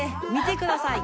てください